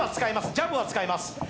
ジャブは使います。